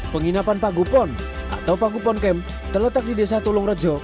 penginapan pagupon atau pagupon kem terletak di desa tulung rejo